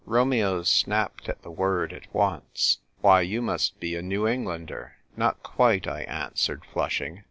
Romeo snapped at the word at once. " Why, you must be a New Englander !"" Not quite," I answered, flushing.